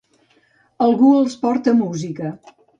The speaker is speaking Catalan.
Algú els porta a música.